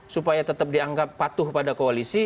supaya tetap dianggap patuh pada koalisi